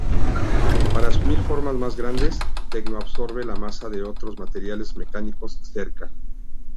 Para asumir formas más grandes, Tecno absorbe la masa de otros materiales mecánicos cerca.